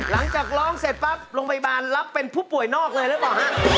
หลังจากร้องเสร็จปะลงอิมบารรับเป็นผู้ป่วยนอกเลยล่ะบอกฮะ